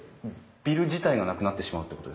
ビル自体がなくなってしまうってことですか？